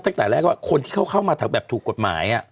ตั้งแต่แรกว่าคนที่เข้ามาถูกกฎหมาย